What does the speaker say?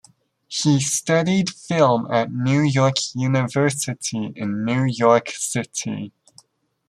He studied film at New York University in New York City.